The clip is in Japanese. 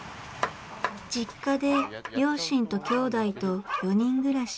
実家で両親ときょうだいと４人暮らし。